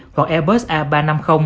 hoặc airbus a ba trăm năm mươi